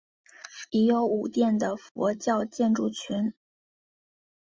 已有五殿的佛教建筑群。